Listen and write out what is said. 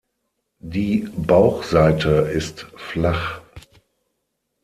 Die Bauchseite ist flach.